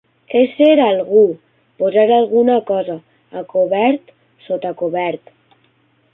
Ésser algú, posar alguna cosa, a cobert, sota cobert.